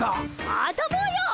あたぼうよ。